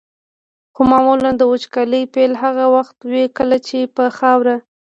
خو معمولا د وچکالۍ پیل هغه وخت وي کله چې په خاوره.